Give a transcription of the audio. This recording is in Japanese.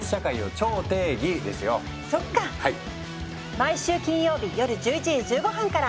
毎週金曜日夜１１時１５分から！